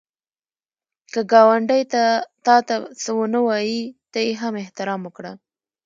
که ګاونډی تا ته څه ونه وايي، ته یې هم احترام وکړه